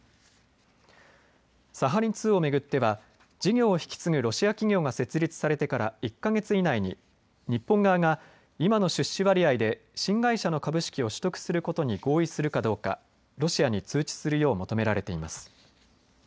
サハリン２を巡っては事業を引き継ぐロシア企業が設立されてから１か月以内に日本側が今の出資割合で新会社の株式を取得することに合意するかどうかロシアに通知するよう求められています。